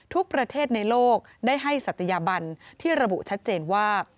ทุกประเทศในโลกได้ให้ศัตยาบันที่ระบุชัดเจนว่า